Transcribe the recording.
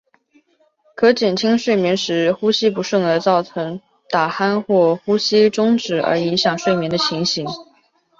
可减轻睡眠时呼吸不顺而造成打鼾或呼吸中止而影响睡眠的情形。